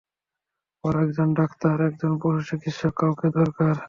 ওর একজন ডাক্তার, একজন পশুচিকিত্সক, কাউকে দরকার!